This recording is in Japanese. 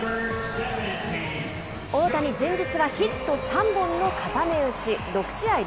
大谷、前日はヒット３本の固め打ち。